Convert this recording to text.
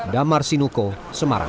damar sinuko semarang